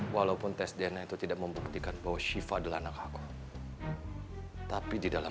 walaupun tes dna itu tidak membuktikan bahwa shiva adalah anak ahok tapi di dalam